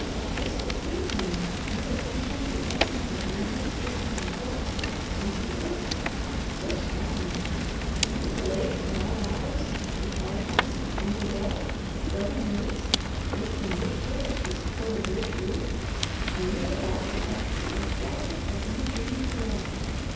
"Just to see him, you would think him the essence of manly strength and force. And he is! So strong! Into the lake at all hours, at the dry house, on the hill, grubbing roots, lifting big pillars to support a bridge roof, and with it all a fancy as delicate as any dreaming girl.